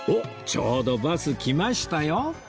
ちょうどバス来ましたよ